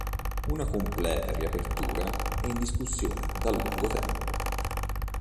Una completa riapertura è in discussione da lungo tempo.